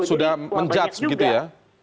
sudah menjudge gitu ya